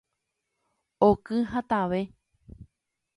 Oky hatãve